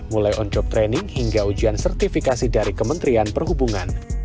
mulai on job training hingga ujian sertifikasi dari kementerian perhubungan